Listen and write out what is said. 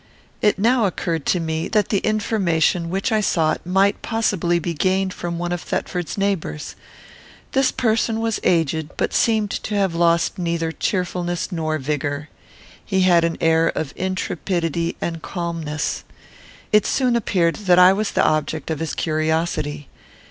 It now occurred to me, that the information which I sought might possibly be gained from one of Thetford's neighbours. This person was aged, but seemed to have lost neither cheerfulness nor vigour. He had an air of intrepidity and calmness. It soon appeared that I was the object of his curiosity.